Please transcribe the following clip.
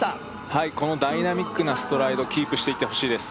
はいこのダイナミックなストライドキープしていってほしいです